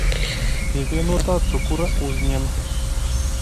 Pievienot? cukura uz?em